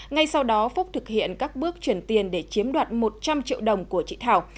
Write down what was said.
ngay sau đó phúc thực hiện các bước chuyển tiền để chiếm đoạt một trăm linh triệu đồng của chị thảo